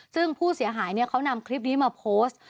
ซึ่งผู้เสียหายเขานำคลิปนี้มาโพสต์